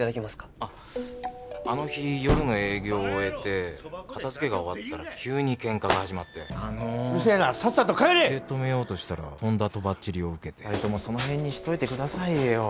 あっあの日夜の営業を終えて片付けが終わったら急にケンカが始まってあのうるせえなさっさと帰れ！止めようとしたらとんだとばっちりを受けて２人ともそのへんにしといてくださいよ